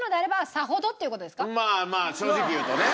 まあまあ正直言うとね。